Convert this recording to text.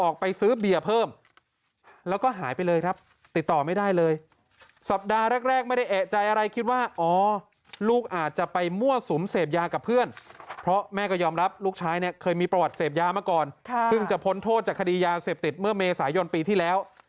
เคยมีประวัติเสพยามาก่อนซึ่งจะพ้นโทษจากคดียาเสพติดเมื่อเมษายนปีที่แล้ว